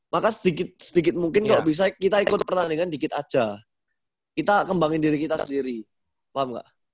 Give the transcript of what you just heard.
maka sedikit sedikit mungkin kalau bisa kita ikut pertandingan dikit aja kita kembangin diri kita sendiri paham enggak